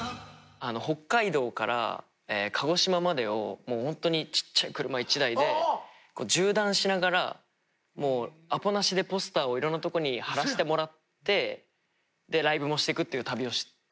北海道から鹿児島までをホントにちっちゃい車１台で縦断しながらもうアポなしでポスターをいろんなとこに貼らしてもらってライブもしてくっていう旅をしたんですよ。